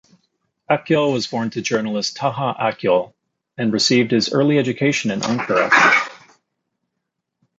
Akyol was born to journalist Taha Akyol and received his early education in Ankara.